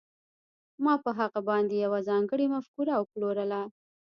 ما په هغه باندې یوه ځانګړې مفکوره وپلورله